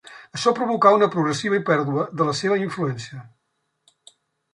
Això provocà una progressiva pèrdua de la seva influència.